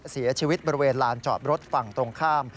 เสียชีวิตบริเวณลานจอดรถฝั่งตรงข้าม